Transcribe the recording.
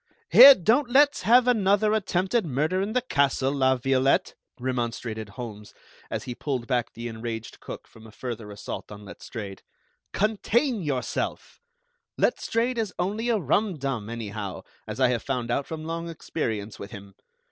"Here, don't let's have another attempted murder in the castle, La Violette," remonstrated Holmes, as he pulled back the enraged cook from a further assault on Letstrayed; "contain yourself. Letstrayed is only a rumdum, anyhow, as I have found out from long experience with him.